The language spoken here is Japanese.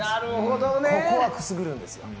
そこがくすぐるんですよ。